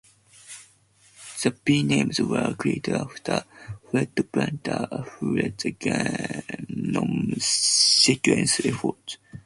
The "b" names were created after Fred Blattner, who led the genome sequence effort.